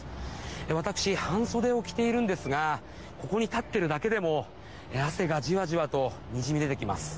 「私半袖を着ているんですがここに立っているだけでも汗がじわじわとにじみ出てきます」